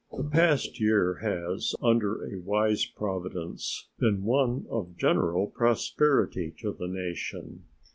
The past year has, under a wise Providence, been one of general prosperity to the nation.